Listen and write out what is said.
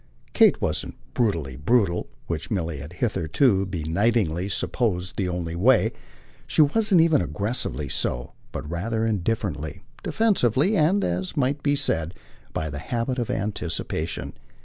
Kate wasn't brutally brutal which Milly had hitherto benightedly supposed the only way; she wasn't even aggressively so, but rather indifferently, defensively and, as might be said, by the habit of anticipation.